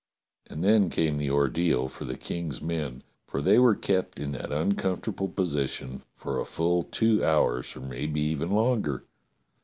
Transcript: And then came the ordeal for the King's men, for they were kept in that uncomfortable position for a full two hours, or maybe even longer.